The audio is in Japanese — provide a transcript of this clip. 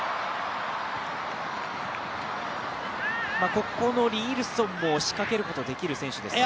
ここのリ・イルソンも、仕掛けることができる選手ですね。